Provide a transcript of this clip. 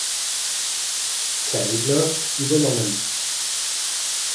Zeidler übernommen.